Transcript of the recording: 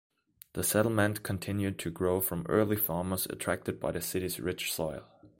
The settlement continued to grow from early farmers attracted by the city's rich soil.